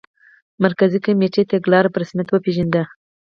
مرکزي کمېټې تګلاره په رسمیت وپېژنده.